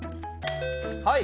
はい！